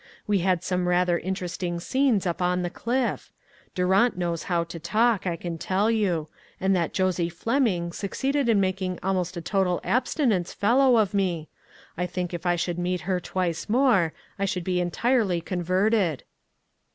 We had some rather interesting scenes up on the cliff. Durant knows how to talk, I can tell you ; and that Josie Fleming succeeded in making almost a total abstinence fellow of me ; I think if I should meet her twice more, I should be entirely converted."